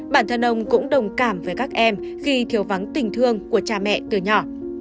bản thân ông cũng đồng cảm với các em khi thiếu vắng tình thương của cha mẹ từ nhỏ